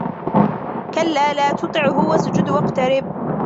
كَلَّا لَا تُطِعْهُ وَاسْجُدْ وَاقْتَرِبْ